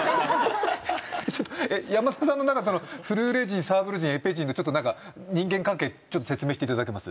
ちょっと山田さんの中のフルーレ陣サーブル陣エペ陣のなんか人間関係ちょっと説明していただけます？